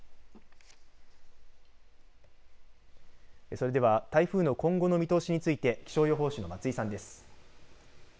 それでは台風の今後の見通しについて気象予報士の松井さんです。